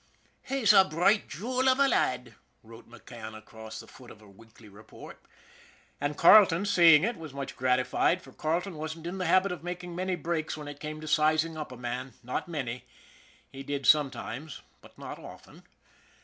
" He's a bright jool av a lad," wrote McCann across the foot of a weekly report. And Carleton, seeing it, was much gratified, for Carleton wasn't in the habit of making many breaks when it came to sizing up a man not many. He did sometimes, but not often.